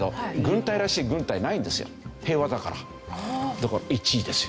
だから１位ですよ。